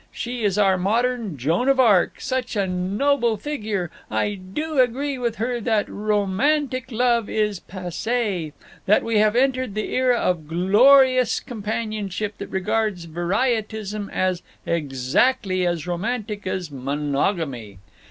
—she is our modern Joan of Arc—such a noble figure—I do agree with her that romantic love is passé, that we have entered the era of glorious companionship that regards varietism as exactly as romantic as monogamy.